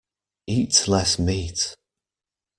Eat less meat.